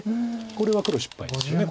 これは黒失敗ですよね